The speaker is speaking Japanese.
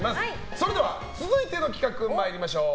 それでは続いての企画、参りましょう。